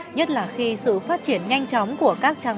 nhất là khi sự phát triển nhanh chóng của các trang